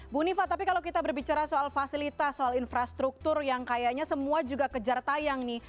bu nifa tapi kalau kita berbicara soal fasilitas soal infrastruktur yang kayaknya semua juga kejar tayang nih